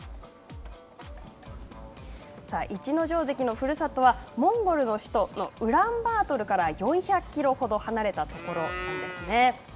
逸ノ城関のふるさとはモンゴルの首都のウランバートルから４００キロほど離れたところなんですね。